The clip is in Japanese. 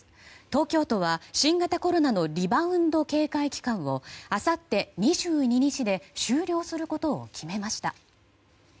東京都は新型コロナのリバウンド警戒期間をあさって２２日で終了することを決めました。